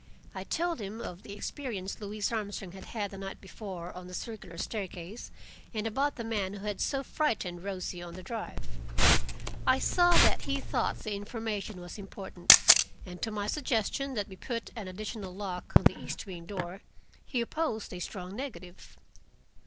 I told him of the experience Louise Armstrong had had the night before, on the circular staircase, and about the man who had so frightened Rosie on the drive. I saw that he thought the information was important, and to my suggestion that we put an additional lock on the east wing door he opposed a strong negative.